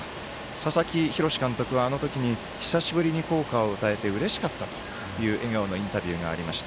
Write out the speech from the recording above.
佐々木洋監督は、あの時に久しぶりに校歌を歌えてうれしかったという笑顔のインタビューがありました。